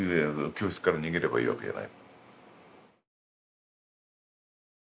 教室から逃げればいいわけじゃない。